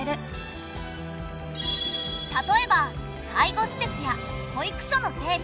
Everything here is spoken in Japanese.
例えば介護施設や保育所の整備